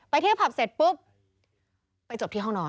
เที่ยวผับเสร็จปุ๊บไปจบที่ห้องนอน